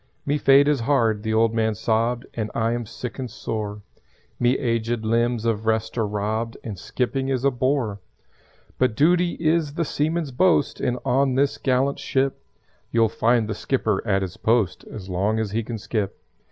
"Me fate is hard," the old man sobbed, "And I am sick and sore. Me aged limbs of rest are robbed And skipping is a bore. "But Duty is the seaman's boast, And on this gallant ship You'll find the skipper at his post As long as he can skip."